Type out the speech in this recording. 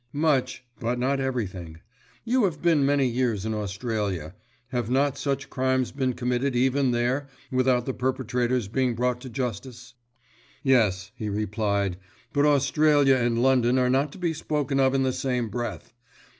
"Much, but not everything. You have been many years in Australia. Have not such crimes been committed even there without the perpetrators being brought to justice?" "Yes," he replied, "but Australia and London are not to be spoken of in the same breath.